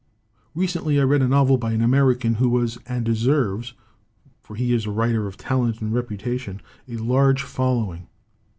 Recently I read a novel by an American who has and de serves, for he is a writer of talent and reputation a large following.